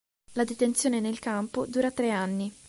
La detenzione nel campo dura tre anni.